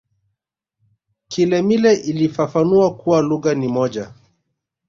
kilemile alifafanua kuwa lugha ni moja